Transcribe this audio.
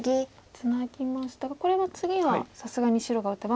ツナぎましたがこれは次はさすがに白が打てば。